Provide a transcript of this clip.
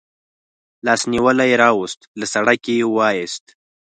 لاس نیولی راوست، له سړک یې و ایست.